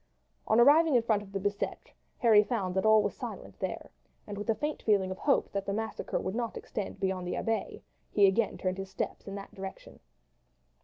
On arriving in front of the Bicetre Harry found all was silent there, and with a faint feeling of hope that the massacre would not extend beyond the Abbaye, he again turned his steps in that direction.